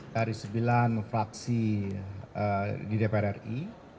dari sembilan fraksi di dpr ri